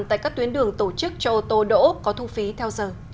tại các tuyến đường tổ chức cho ô tô đỗ có thu phí theo giờ